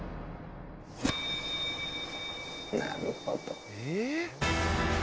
なるほど。